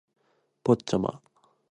ポッチャマ